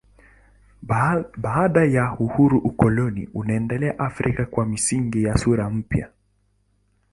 Baada ya uhuru ukoloni unaendelea Afrika kwa misingi na sura mpya.